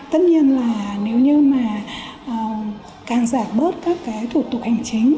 tất nhiên là nếu như mà càng giảm bớt các cái thủ tục hành chính